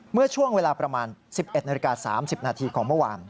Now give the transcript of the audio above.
เมื่อช่วงเวลาประมาณ๑๑นาฬิกา๓๐นาทีของเมื่อวาน